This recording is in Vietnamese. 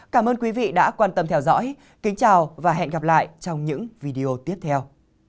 cảm ơn quý vị đã quan tâm theo dõi kính chào và hẹn gặp lại trong những video tiếp theo